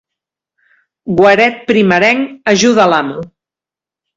Guaret primerenc ajuda l'amo.